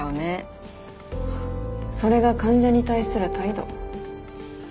それが患者に対する態度？